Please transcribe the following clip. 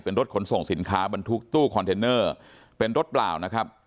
เป็นรถขนส่งสินค้าบรรทุกตู้คอนเทนเนอร์เป็นรถเปล่านะครับ